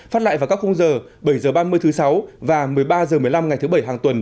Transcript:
phát lại vào các khung giờ bảy h ba mươi thứ sáu và một mươi ba h một mươi năm ngày thứ bảy hàng tuần